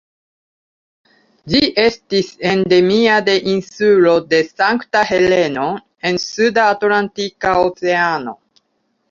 Ĝi estis endemia de la insulo de Sankta Heleno en Suda Atlantika Oceano.